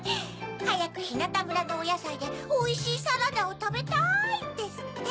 「はやくひなたむらのおやさいでおいしいサラダをたべたい」ですって。